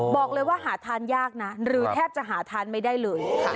บอกเลยว่าหาทานยากนะหรือแทบจะหาทานไม่ได้เลยค่ะ